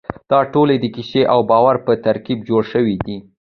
دا ټول د کیسې او باور په ترکیب جوړ شوي دي.